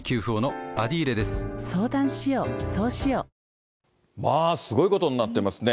ニトリまあすごいことになってますね。